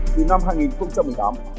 từ năm hai nghìn một mươi tám